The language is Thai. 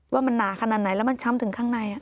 ว่ามันหนาขนาดไหนแล้วมันช้ำถึงข้างใน